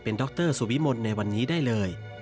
ดรสุวิมลในวันนี้ได้เลย